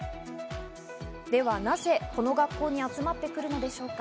では、なぜこの学校に集まってくるのでしょうか？